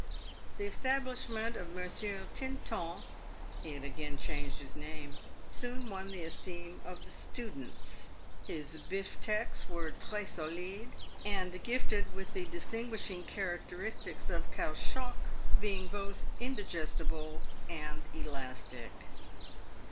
The establishment of Monsieur Tinton (he had again changed his name) soon won the esteem of the students. His " bif teks" were tres solides, and gifted with the distinguishing characteristics of caoutchouc, being both indigestible and elastic.